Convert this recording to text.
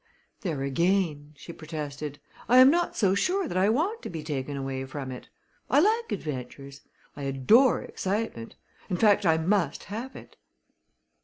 "There again!" she protested. "I am not so sure that I want to be taken away from it. I like adventures I adore excitement; in fact I must have it."